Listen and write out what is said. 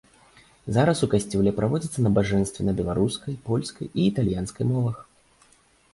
Зараз у касцёле праводзяцца набажэнствы на беларускай, польскай і італьянскай мовах.